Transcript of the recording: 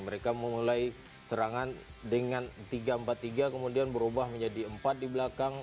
mereka memulai serangan dengan tiga empat tiga kemudian berubah menjadi empat di belakang